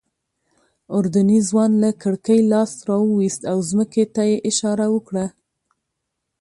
اردني ځوان له کړکۍ لاس راوویست او ځمکې ته یې اشاره وکړه.